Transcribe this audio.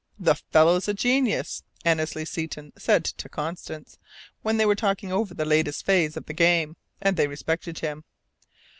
"The fellow's a genius!" Annesley Seton said to Constance, when they were talking over the latest phase of the game. And they respected him.